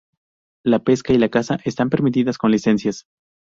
La pesca y la caza están permitidas con licencias.